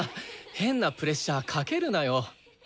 変なプレッシャーかけるなよ。